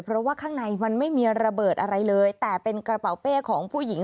เพราะว่าข้างในมันไม่มีระเบิดอะไรเลยแต่เป็นกระเป๋าเป้ของผู้หญิง